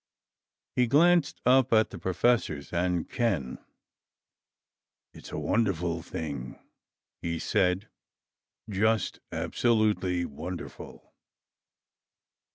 He glanced up at the professors and Ken. "It's a wonderful thing," he said, "just absolutely wonderful!"